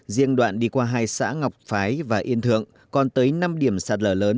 riêng đoạn đi qua hai xã ngọc phái và yên thượng còn tới năm điểm sạt lở lớn